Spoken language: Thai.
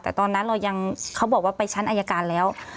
แต่ตอนนั้นเรายังเขาบอกว่าไปชั้นอายการแล้ว